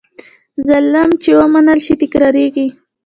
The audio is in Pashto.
ظلم چې ومنل شي، تکرارېږي.